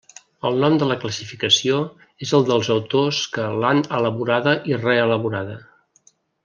El nom de la classificació és el dels autors que l'han elaborada i reelaborada.